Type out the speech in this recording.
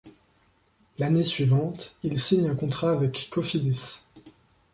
L'année suivante, il signe un contrat avec Cofidis.